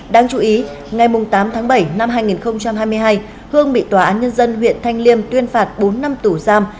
đáng chú ý ngày tám tháng bảy năm hai nghìn hai mươi hai hương bị tòa án nhân dân huyện thanh liêm tuyên phạt bốn năm tù giam